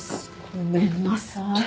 ごめんなさい。